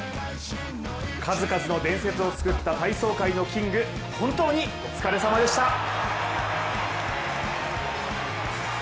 数々の伝説を作った体操界のキング、本当に、お疲れさまでした。